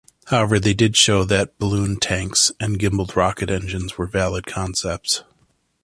However they did show that balloon tanks, and gimbaled rocket engines were valid concepts.